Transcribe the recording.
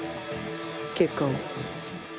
結果を。